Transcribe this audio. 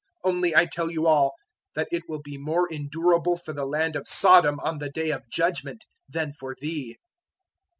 011:024 Only I tell you all, that it will be more endurable for the land of Sodom on the day of Judgement than for thee."